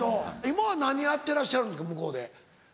今は何やってらっしゃるんですか向こうで。